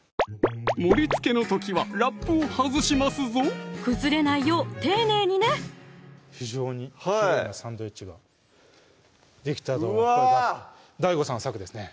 盛りつけの時はラップを外しますぞ崩れないよう丁寧にね非常にきれいなサンドイッチができたとＤＡＩＧＯさん作ですね